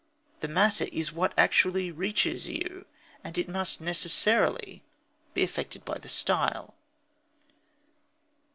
The "matter" is what actually reaches you, and it must necessarily be affected by the style.